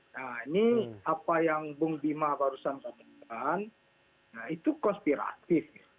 nah ini apa yang bung bima barusan katakan itu konspiratif